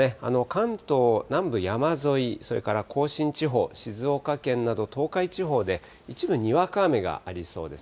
関東南部山沿い、それから甲信地方、静岡県など、東海地方で一部にわか雨がありそうです。